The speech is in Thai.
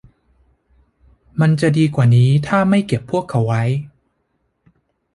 มันจะดีกว่านี้ถ้าไม่เก็บพวกเขาไว้